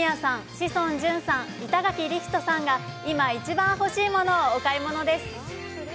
志尊淳さん、板垣李光人さんが今、一番欲しいものをお買い物です。